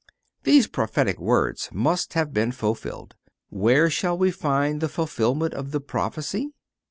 These prophetic words must have been fulfilled. Where shall we find the fulfilment of the prophecy?